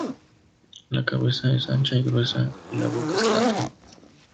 La cabeza es ancha y gruesa y la boca es grande.